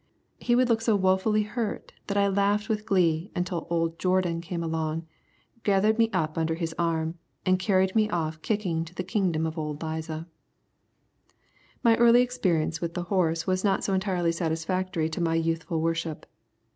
He would look so wofully hurt that I laughed with glee until old Jourdan came along, gathered me up under his arm, and carried me off kicking to the kingdom of old Liza. My early experience with the horse was not so entirely satisfactory to my youthful worship.